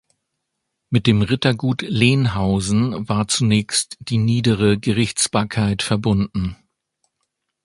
Mit dem Rittergut Lenhausen war zunächst die niedere Gerichtsbarkeit verbunden.